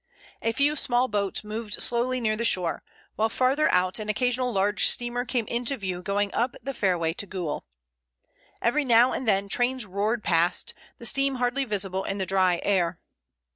A few small boats moved slowly near the shore, while farther out an occasional large steamer came into view going up the fairway to Goole. Every now and then trains roared past, the steam hardly visible in the dry air.